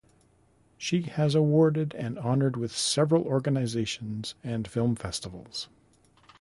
She has awarded and honored with several organizations and film festivals.